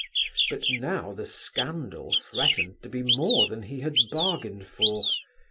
But now the scandal threatened to be more than he had bargained for.